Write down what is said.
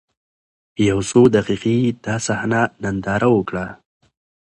يو څو دقيقې يې دا صحنه ننداره وکړه.